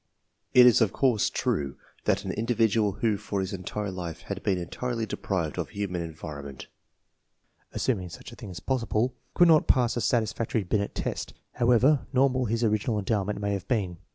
It is, of course, true that an individual who for his entire life had been entirely deprived of human en vironment (assuming such a thing to be possible) could not pass a satisfactory Binet test, however nor mal his original endowment may have been.